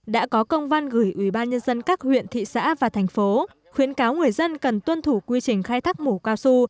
đã có công văn gửi ủy ban nhân dân các huyện thị xã và thành phố khuyến cáo người dân cần tuân thủ quy trình khai thác mù cao su